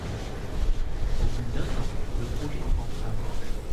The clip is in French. Au bout d'un an, le projet prend fin.